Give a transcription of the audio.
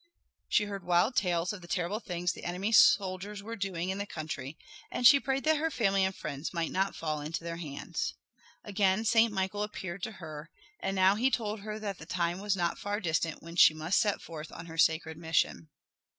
She heard wild tales of the terrible things the enemy's soldiers were doing in the country, and she prayed that her family and friends might not fall into their hands. Again Saint Michael appeared to her, and now he told her that the time was not far distant when she must set forth on her sacred mission.